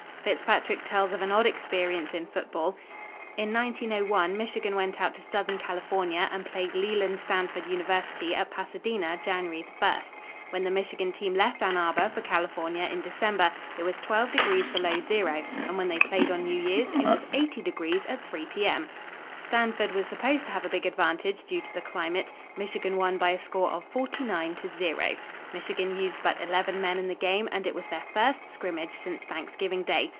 Fitzpatrick tells of an odd experience in football. "In 1901 Michigan went out to Southern California and played Leland Stanford University at Pasadena, January 1. When the Michigan team left Ann Arbor for California in December, it was 12° below zero and when they played on New Year's it was 80° at 3 P. M." Stanford was supposed to have a big advantage due to the climate. Michigan won by a score of 49 to 0. Michigan used but eleven men in the game, and it was their first scrimmage since Thanksgiving Day.